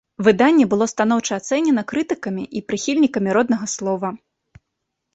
Выданне была станоўча ацэнена крытыкамі і прыхільнікамі роднага слова.